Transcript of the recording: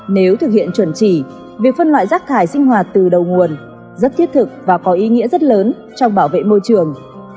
nếu thực hiện chuẩn chỉ việc phân loại rác thải sinh hoạt từ đầu nguồn rất thiết thực và có ý nghĩa rất lớn trong bảo vệ môi trường